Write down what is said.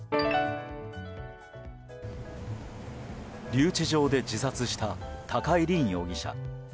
留置場で自殺した高井凜容疑者。